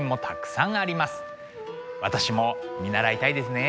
私も見習いたいですね。